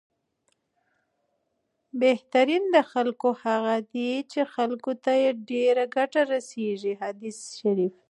بهترین د خلکو هغه دی، چې خلکو ته یې ډېره ګټه رسېږي، حدیث